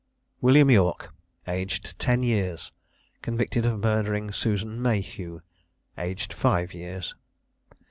WILLIAM YORK, AGED TEN YEARS, CONVICTED OF MURDERING SUSAN MAHEW, AGED FIVE YEARS.